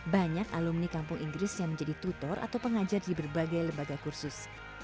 banyak alumni kampung inggris yang menjadi tutor atau pengajar di berbagai lembaga kursus